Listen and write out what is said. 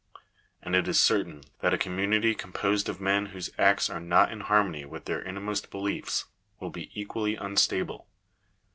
And it is certain that a community composed of men whose acts are not in harmony with their innermost beliefs, will be equally unstable.